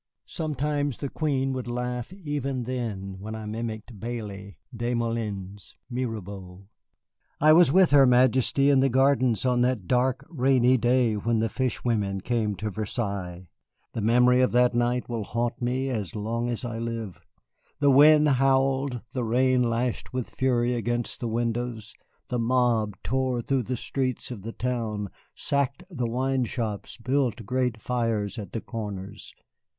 Sometimes the Queen would laugh even then when I mimicked Bailly, Des Moulins, Mirabeau. I was with her Majesty in the gardens on that dark, rainy day when the fishwomen came to Versailles. The memory of that night will haunt me as long as I live. The wind howled, the rain lashed with fury against the windows, the mob tore through the streets of the town, sacked the wine shops, built great fires at the corners.